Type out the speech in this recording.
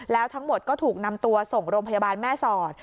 แล้วทั้งหมดก็ถูกนำตัวส่งโรงพยาบาลแม่สอด